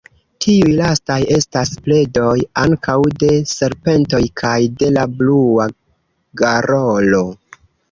Tiuj lastaj estas predoj ankaŭ de serpentoj kaj de la Blua garolo.